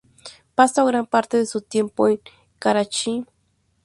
Pasó gran parte de su tiempo en Karachi.